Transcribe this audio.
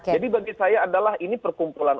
jadi bagi saya adalah ini perkumpulan